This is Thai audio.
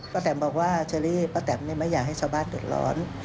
พระแต่มบอกว่าเชอรี่พระแต่มไม่อยากให้ชาวบ้านเกิดร้อน